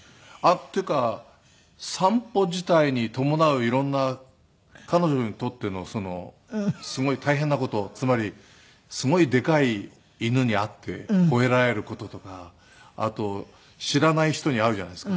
っていうか散歩自体に伴う色んな彼女にとってのすごい大変な事つまりすごいでかい犬に会って吠えられる事とかあと知らない人に会うじゃないですか。